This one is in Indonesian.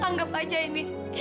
anggap aja ini